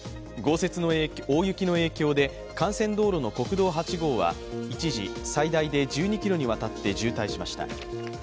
大雪の影響で幹線道路の国道８号は一時、最大で１２ｋｍにわたって、渋滞しました。